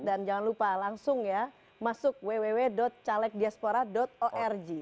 dan jangan lupa langsung masuk www calegdiaspora org